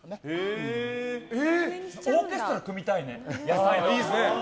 オーケストラ組みたいね野菜の。